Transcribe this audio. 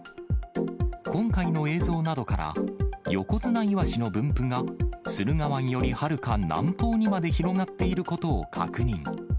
今回の映像などから、ヨコヅナイワシの分布が駿河湾よりはるか南方にまで広がっていることを確認。